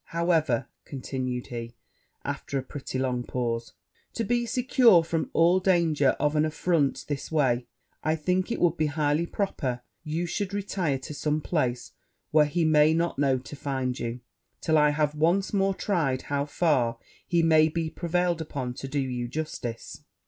However,' continued he, after a pretty long pause, 'to be secure from all danger of an affront this way, I think it would be highly proper you should retire to some place where he may not know to find you, till I have once more tried how far he may be prevailed upon to do you justice.'